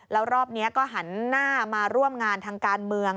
แล้วรอบนี้ก็หันหน้ามาร่วมงานทางการเมือง